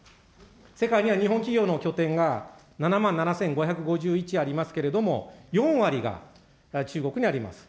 世界には日本企業の拠点が７万７５５１ありますけれども、４割が中国にあります。